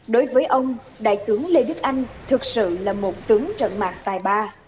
đối với ông đại tướng lê đức anh thực sự là một tướng trận mạng tài ba